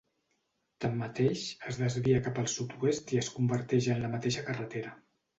Tanmateix, es desvia cap al sud-oest i es converteix en la mateixa carretera.